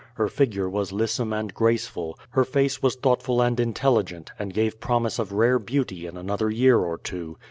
Her figure was lissome and graceful, her face was thoughtful and intelligent, and gave promise of rare beauty in another year or two.